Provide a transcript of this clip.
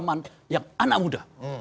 maman yang anak muda